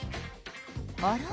あら？